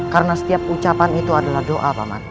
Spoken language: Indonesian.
karena setiap ucapan itu adalah doa paman